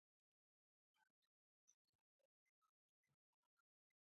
بې پرتوګه سړی دی.